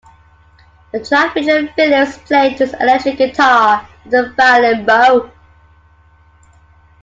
The track featured Phillips playing his electric guitar with a violin bow.